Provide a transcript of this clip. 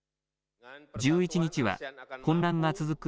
１１日は混乱が続く